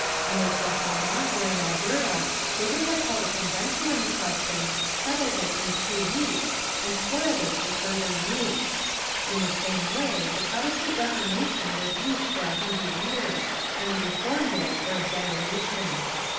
In Oklahoma or in Alberta they would have called a convention on the question, settled it in two weeks and spoiled it for further use. In the same way the Protestant Reformation was used for a hundred years and the Reform Bill for a generation.